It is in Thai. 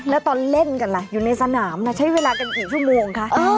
แล้วตอนเล่นกันล่ะอยู่ในสนามล่ะใช้เวลากันกี่ชั่วโมงคะ